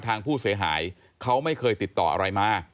ทางผู้เสียหายเขาไม่เคยติดต่ออะไรมา